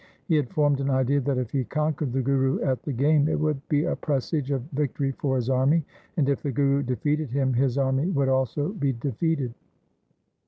He had formed an idea that, if he conquered the Guru at the game, it would be a presage of victory for his army, and if the Guru defeated him, his army would also be defeated.